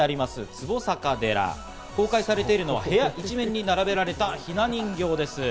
壺阪寺、公開されているのは部屋一面に並べられた、ひな人形です。